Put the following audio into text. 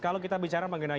kalau kita bicara mengenai